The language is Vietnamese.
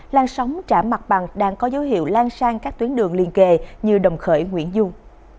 lan sóng trả mặt bằng đang có dấu hiệu lan sang các tuyến đường liên kề như đồng khởi nguyễn dung